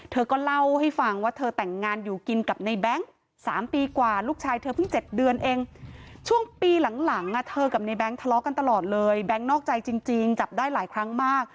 เธอก็เล่าให้ฟังว่าเธอแต่งงานอยู่กินกับในแบงค์